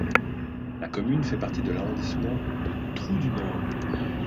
La commune fait partie de l'Arrondissement de Trou-du-Nord.